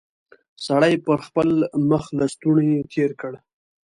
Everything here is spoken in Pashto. سړي پر خپل مخ لستوڼی تېر کړ.